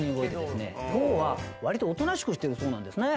午後はわりとおとなしくしてるそうなんですね。